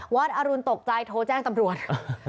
อรุณตกใจโทรแจ้งตำรวจ